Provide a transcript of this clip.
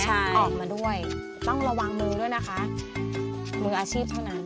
ออกมาด้วยต้องระวังมือด้วยนะคะมืออาชีพเท่านั้น